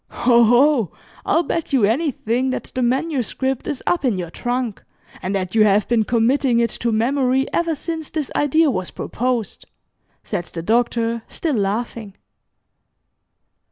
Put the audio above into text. "Ho, ho! I'll bet you anything that the manuscript is up in your trunk, and that you have been committing it to memory ever since this idea was proposed," said the Doctor, still laughing.